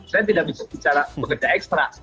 saya tidak bisa bicara bekerja ekstra